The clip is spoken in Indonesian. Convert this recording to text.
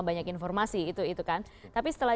banyak informasi itu itu kan tapi setelah